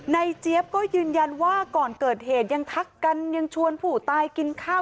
เจี๊ยบก็ยืนยันว่าก่อนเกิดเหตุยังทักกันยังชวนผู้ตายกินข้าว